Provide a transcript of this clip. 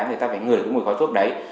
thì ta phải ngửi cái mùi khói thuốc đấy